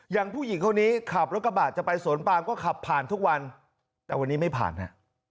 อย่างผู้หญิงคนนี้ขับรถกระบะจะไปสวนปามก็ขับผ่านทุกวันแต่วันนี้ไม่ผ่านฮะ